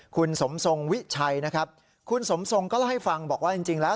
คุณสมทรงวิชัยนะครับคุณสมทรงก็เล่าให้ฟังบอกว่าจริงแล้ว